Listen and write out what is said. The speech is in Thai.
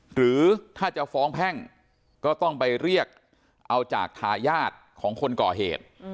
หรือถ้าจะฟ้องแพ่งก็ต้องไปเรียกเอาจากทายาทของคนก่อเหตุ